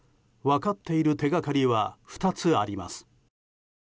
分かっている手がかりは２つあります。